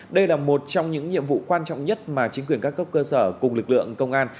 đây là một trong những nhiệm vụ quan trọng nhất mà chính quyền các cấp cơ sở cùng lực lượng công an